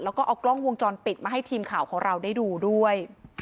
แล้วก็เอากล้องวงจรปิดมาให้ทีมข่าวของเราได้ดูด้วย